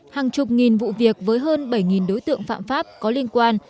hàng chục nghìn vụ việc với hơn bảy đối tượng phạm pháp có liên quan